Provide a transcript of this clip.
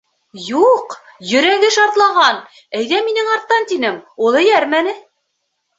— Юҡ, йөрәге шартлаған, әйҙә минең арттан тинем, ул эйәрмәне.